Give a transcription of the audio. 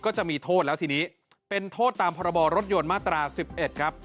ก็จะมีโทษแล้วทีนี้เป็นโทษตามพรบรถยนต์มาตรา๑๑ครับ